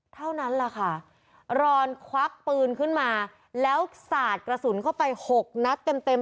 เท่านั้นแหละค่ะรอนควักปืนขึ้นมาแล้วสาดกระสุนเข้าไปหกนัดเต็มเต็ม